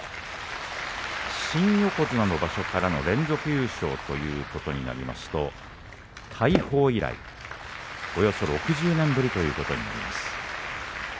新横綱の場所からの連続優勝ということになりますと大鵬以来およそ６０年ぶりということになります。